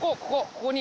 ここに。